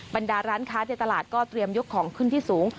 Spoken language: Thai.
บรรดาร้านค้าในตลาดก็เตรียมยกของขึ้นที่สูง